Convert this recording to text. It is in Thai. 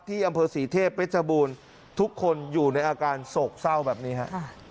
อำเภอศรีเทพเพชรบูรณ์ทุกคนอยู่ในอาการโศกเศร้าแบบนี้ฮะ